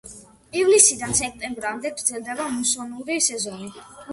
ივლისიდან სექტემბრამდე გრძელდება მუსონური სეზონი.